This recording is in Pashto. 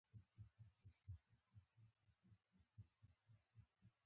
د خلکو مخونه چاودې شول.